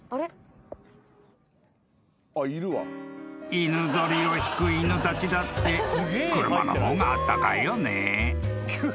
［犬ぞりを引く犬たちだって車の方があったかいよね］